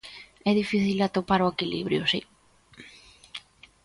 É difícil atopar o equilibrio, si.